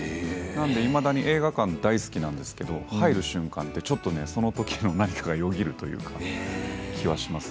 だから、いまだに映画館大好きなんですけれど入る瞬間ってちょっとそのときの何かがよぎる気はします。